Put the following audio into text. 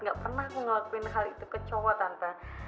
gak pernah aku ngelakuin hal itu ke cowok tanpa